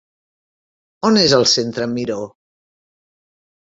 On és el Centre Miró?